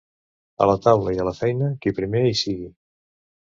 A la taula i a la feina, qui primer hi sigui.